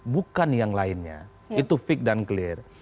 bukan yang lainnya itu fik dan clear